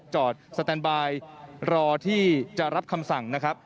สแตนบายรอที่จะรับคำสั่งนะครับ